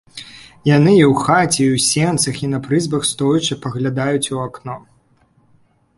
Яны і ў хаце, і ў сенцах, і на прызбах стоячы паглядаюць у акно.